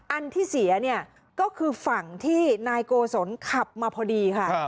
อันที่เสียเนี่ยก็คือฝั่งที่นายโกศลขับมาพอดีค่ะ